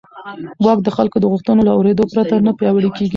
واک د خلکو د غوښتنو له اورېدو پرته نه پیاوړی کېږي.